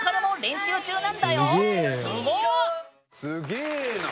すげえよ。